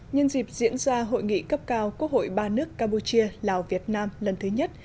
nhân dịp diễn ra hội nghị cấp cao quốc hội ba nước campuchia lào việt nam lần thứ nhất